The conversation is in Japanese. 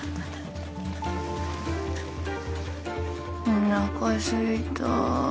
おなかすいた。